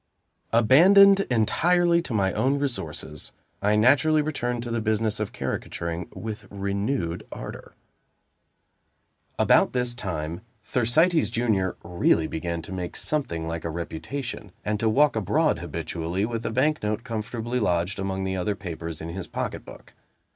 Abandoned entirely to my own resources, I naturally returned to the business of caricaturing with renewed ardor. About this time Thersites Junior really began to make something like a reputation, and to walk abroad habitually with a bank note comfortably lodged among the other papers in his pocketbook.